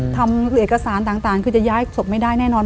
ทำหน่วยเอกสารต่างคือย้ายศพยาบาลไม่ได้แน่นอน